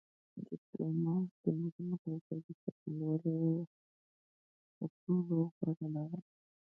ډیپلوماسي د ملي موقف د څرګندولو تر ټولو غوره لار ده